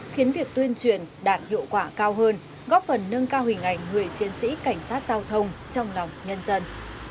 khiến việc tuyên truyền đạt hiệu quả cao hơn góp phần nâng cao hình ảnh người chiến sĩ cảnh sát giao thông trong lòng nhân dân